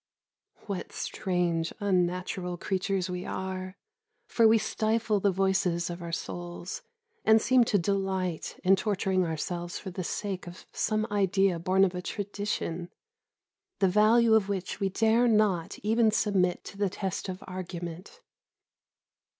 What strange unnatural creatures we are, for we stifle the voices of our souls, and seem to delight in torturing ourselves for the sake of some idea born of a tradition, the value of which we dare not even submit to the test of argument.